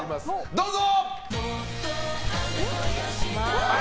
どうぞ！